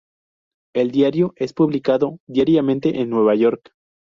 El diario es publicado diariamente en Nueva York.